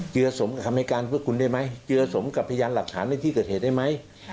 เจือสมกับคำให้การเพื่อคุณได้ไหมเจือสมกับพยานหลักฐานในที่เกิดเหตุได้ไหม